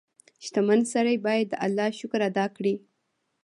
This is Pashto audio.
• شتمن سړی باید د الله شکر ادا کړي.